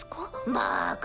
バカ。